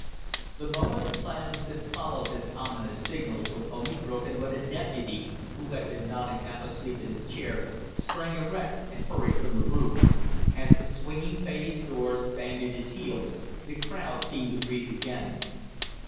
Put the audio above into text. The moment of silence that followed this ominous signal was only broken when a deputy who had been nodding half asleep in his chair, sprang erect and hurried from the room. As the swinging baize doors banged at his heels, the crowd seemed to breathe again.